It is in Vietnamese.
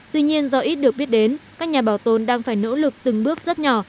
tuy nhiên do ít được biết đến các nhà bảo tồn đang phải nỗ lực từng bước rất nhỏ